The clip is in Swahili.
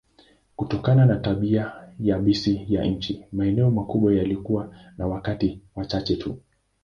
Kutokana na tabia yabisi ya nchi, maeneo makubwa yalikuwa na wakazi wachache tu.